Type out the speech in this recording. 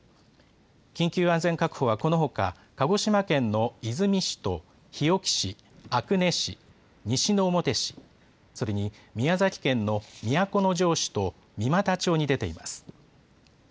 緊急安全確保はこのほか鹿児島県の出水市と日置市、阿久根市、西之表市、それに宮崎県の都城市と三股町に出ています。